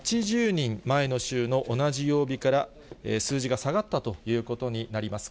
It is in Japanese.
４８０人、前の週の同じ曜日から数字が下がったということになります。